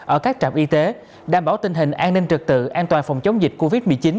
ở các trạm y tế đảm bảo tình hình an ninh trực tự an toàn phòng chống dịch covid một mươi chín